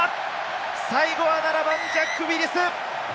最後は７番、ジャック・ウィリス。